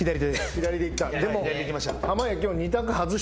左でいったでも。